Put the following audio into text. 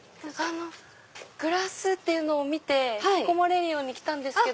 グラスっていうのを見て引き込まれるように来たんです。